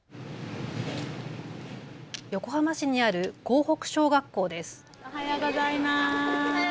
横浜市にある港北小学校です。